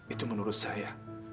itu menurut saya